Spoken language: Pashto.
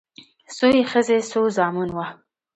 څو يې ښځې څو زامن وه